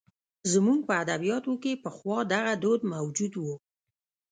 زموږ په ادبیاتو کې پخوا دغه دود موجود و.